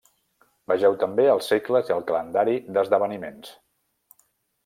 Vegeu també els segles i el calendari d'esdeveniments.